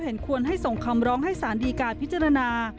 เห็นควรให้ส่งคำร้องให้สารดีการพิจารณา